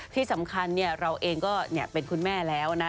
ที่สำคัญเราเองก็เป็นคุณแม่แล้วนะ